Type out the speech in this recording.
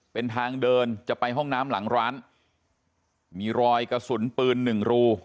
เป็นทางเดินจะไปห้องน้ำหลังร้านมีรอยกระสุนปืนหนึ่งรู